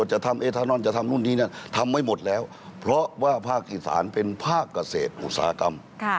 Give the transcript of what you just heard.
จะทำเอทานอนจะทำนู่นนี่นั่นทำไว้หมดแล้วเพราะว่าภาคอีสานเป็นภาคเกษตรอุตสาหกรรม